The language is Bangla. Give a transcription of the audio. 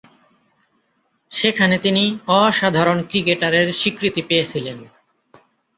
সেখানে তিনি অসাধারণ ক্রিকেটারের স্বীকৃতি পেয়েছিলেন।